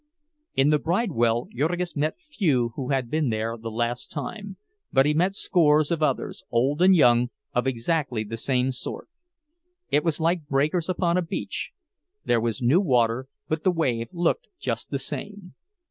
In the Bridewell Jurgis met few who had been there the last time, but he met scores of others, old and young, of exactly the same sort. It was like breakers upon a beach; there was new water, but the wave looked just the same.